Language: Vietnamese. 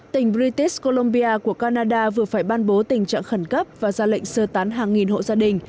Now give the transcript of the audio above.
tỉnh britis colombia của canada vừa phải ban bố tình trạng khẩn cấp và ra lệnh sơ tán hàng nghìn hộ gia đình